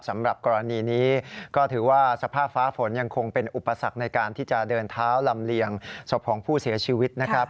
สำหรับกรณีนี้ก็ถือว่าสภาพฟ้าฝนยังคงเป็นอุปสรรคในการที่จะเดินเท้าลำเลียงศพของผู้เสียชีวิตนะครับ